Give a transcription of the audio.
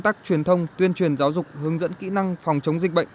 tuyên thông tuyên truyền giáo dục hướng dẫn kỹ năng phòng chống dịch bệnh